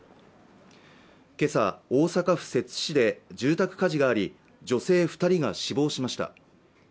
今朝大阪府摂津市で住宅火事があり女性二人が死亡しました